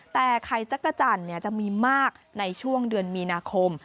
แต่ไข่จักรจันทร์จะมีมากในช่วงเดือนมีนาคม